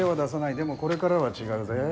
でもこれからは違うぜ。